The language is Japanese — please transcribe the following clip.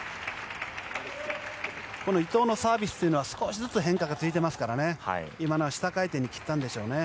伊藤のサービスというのは少しずつ変化がついていますから今のは下回転に切ったんでしょうね。